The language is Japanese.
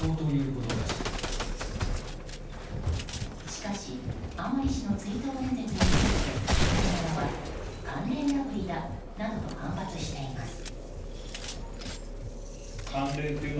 しかし、甘利氏の追悼演説について野党側は慣例破りだなどと反発しています。